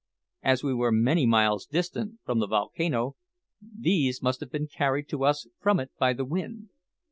As we were many miles distant from the volcano, these must have been carried to us from it by the wind.